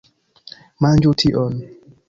Manĝu tion!